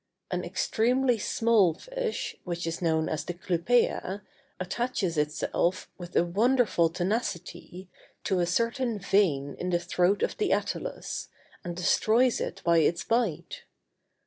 An extremely small fish, which is known as the clupea, attaches itself, with a wonderful tenacity, to a certain vein in the throat of the attilus, and destroys it by its bite.